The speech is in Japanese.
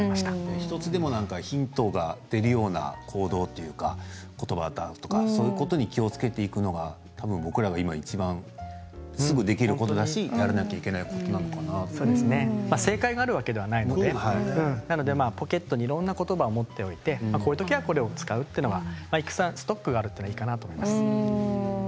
１つでもヒントが出るような行動や、ことばに気をつけていくのがたぶん僕らが今いちばんすぐできることだし、やらなきゃ正解があるわけではないのでポケットにいろんなことばを持っておいて、こういうときはこれを使うというのはたくさんストックがあるのがいいかなと思います。